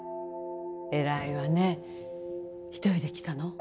偉いわね一人で来たの？